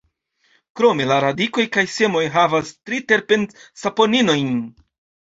Krome la radikoj kaj semoj havas triterpen-saponinojn.